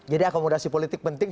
jadi akomodasi politik penting